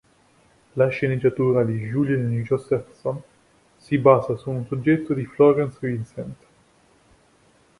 La sceneggiatura di Julien Josephson si basa su un soggetto di Florence Vincent.